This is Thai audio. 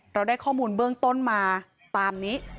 เราได้ข้อมูลเบื้องต้นมาตามนี้